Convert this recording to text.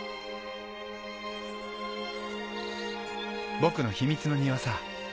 僕の秘密の庭さ。